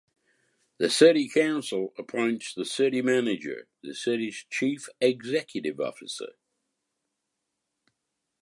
The City Council appoints the City Manager, the city's chief executive officer.